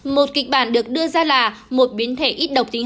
một kịch bản được đưa ra là một biến thể ít độc tính